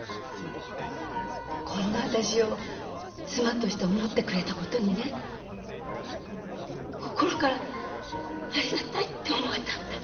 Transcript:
こんな私を妻として思ってくれたことにね心からありがたいって思えたんだ。